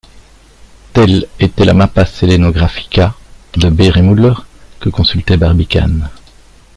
Telle était la Mappa selenographica de Beer et Mœdler que consultait Barbicane.